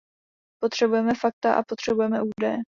Potřebujeme fakta a potřebujeme údaje.